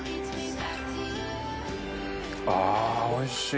あおいしい！